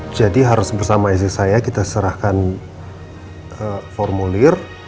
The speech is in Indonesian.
jadi harus bersama istri saya kita serahkan formulir